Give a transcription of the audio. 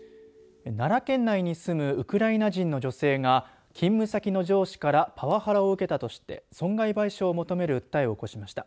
奈良県内に住むウクライナ人の女性が勤務先の上司からパワハラを受けたとして損害賠償を求める訴えを起こしました。